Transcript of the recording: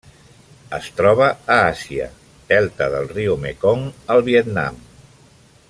Es troba a Àsia: delta del riu Mekong al Vietnam.